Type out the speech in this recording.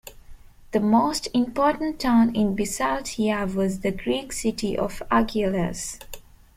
The most important town in Bisaltia was the Greek city of Argilus.